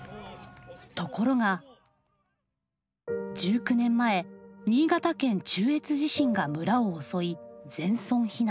ところが１９年前新潟県中越地震が村を襲い全村避難。